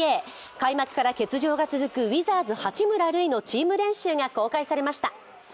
開幕から欠場が続くウィザーズ八村塁のチーム練習が公開されました。